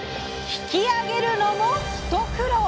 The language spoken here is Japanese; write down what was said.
引き上げるのも一苦労！